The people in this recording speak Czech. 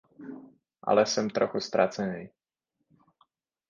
Ale jsem trochu ztracenej.